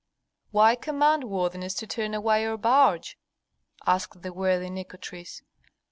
"Why command, worthiness, to turn away our barge?" asked the worthy Nikotris.